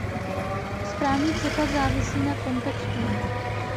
Správný překlad závisí na kontextu.